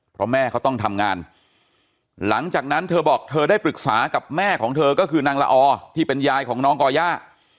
เพราะแม่เขาต้องทำงานหลังจากนั้นเธอบอกเธอได้ปรึกษากับแม่ของเธอก็คือนางละอที่เป็นยายของน้องก่อย่า